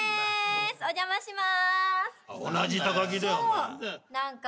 お邪魔します。